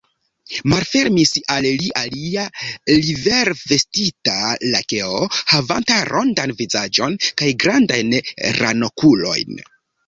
Malfermis al li alia livrevestita lakeo, havanta rondan vizaĝon kaj grandajn ranokulojn.